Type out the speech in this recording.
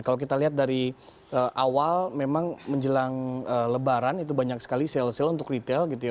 kalau kita lihat dari awal memang menjelang lebaran itu banyak sekali sale sale untuk retail gitu ya